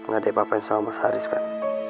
gak ada yang sama sama seharis kan